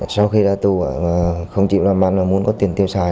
sau khi ra tù không chịu loạn bán và muốn có tiền tiêu xài